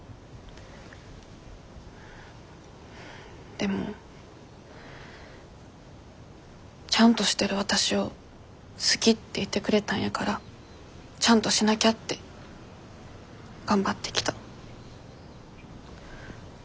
でもちゃんとしてるわたしを好きって言ってくれたんやからちゃんとしなきゃって頑張ってきた。